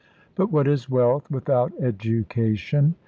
But what is wealth without education?